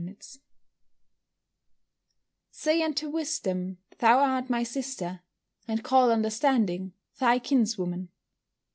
[Verse: "Say unto wisdom, Thou art my sister; and call understanding thy kinswoman."